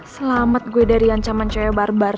selamat gue dari ancaman cewek barbar